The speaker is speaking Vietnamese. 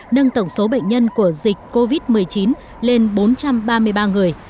nâng tổng số bệnh nhân của dịch covid một mươi chín lên bốn trăm ba mươi ba người